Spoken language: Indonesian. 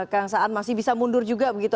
kang saan masih bisa mundur juga begitu